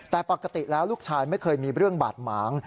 แต่ปกติแล้วลูกชายไม่เคยมีเรื่องบาดหมาง